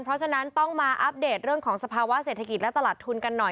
เพราะฉะนั้นต้องมาอัปเดตเรื่องของสภาวะเศรษฐกิจและตลาดทุนกันหน่อย